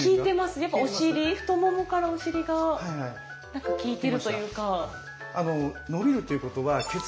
やっぱお尻太ももからお尻が効いてるというか。